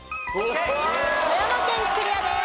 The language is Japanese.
富山県クリアです。